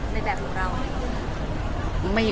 ในแบบเรา